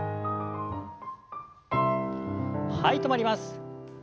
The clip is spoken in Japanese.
はい止まります。